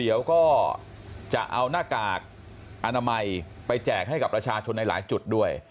เอ้าหน้ากากอนามัยไปแจกให้กับประชาชนในหลายจุดด้วย